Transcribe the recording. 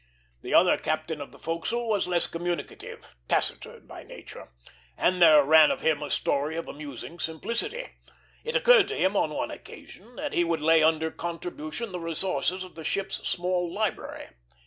The other captain of the forecastle was less communicative, taciturn by nature; but there ran of him a story of amusing simplicity. It occurred to him on one occasion that he would lay under contribution the resources of the ship's small library.